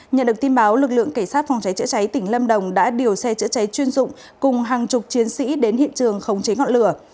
nhận được tin báo lực lượng cảnh sát phòng cháy chữa cháy tỉnh lâm đồng đã điều xe chữa cháy chuyên dụng cùng hàng chục chiến sĩ đến hiện trường khống chế ngọn lửa